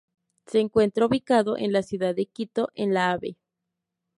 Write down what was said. Se encuentra ubicado en la ciudad de Quito, en la Av.